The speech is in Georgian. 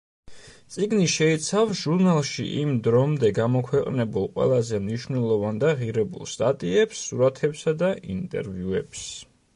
წიგნი შეიცავს ჟურნალში იმ დრომდე გამოქვეყნებულ ყველაზე მნიშვნელოვან და ღირებულ სტატიებს, სურათებსა და ინტერვიუებს.